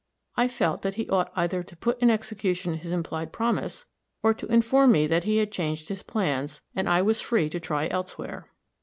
I felt that he ought either to put in execution his implied promise, or to inform me that he had changed his plans, and I was free to try elsewhere.